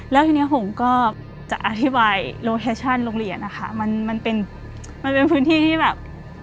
แล้วทีนี้ผมก็จะอธิบายโลกเรียนค่ะมันเป็นพื้นที่ที่แบบ